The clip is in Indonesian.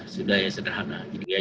sederhana sudah ya sederhana